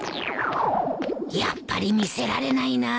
やっぱり見せられないな